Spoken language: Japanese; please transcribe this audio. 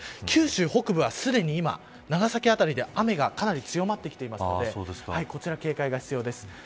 九州北部はすでに今長崎辺りでは、かなり雨が強まってきているのでこちら、警戒が必要です。